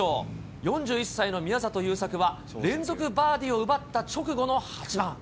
４１歳の宮里優作は連続バーディーを奪った直後の８番。